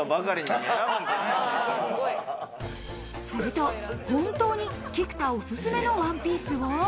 すると本当に菊田おすすめのワンピースを。